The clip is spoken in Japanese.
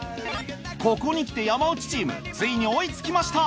ここにきて山内チームついに追いつきました！